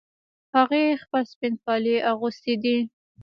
هغې خپل سپین کالي اغوستې دي